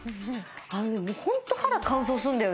あのねホント肌乾燥するんだよね。